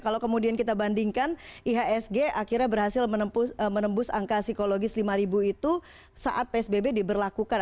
kalau kemudian kita bandingkan ihsg akhirnya berhasil menembus angka psikologis lima itu saat psbb diberlakukan